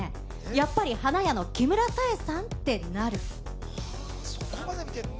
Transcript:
やっぱり花屋の木村多江さん？ってなる。